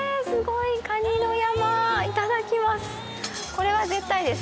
いただきます。